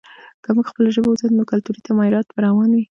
که موږ خپله ژبه وساتو، نو کلتوري تمایلات به روان وي.